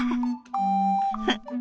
フフッ